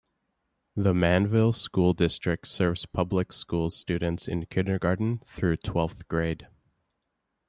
The Manville School District serves public school students in kindergarten through twelfth grade.